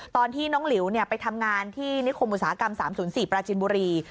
ตอนที่น้องหลิวเนี่ยไปทำงานที่นิคมอุตสาหกรรมสามศูนย์สี่ปราจินบุรี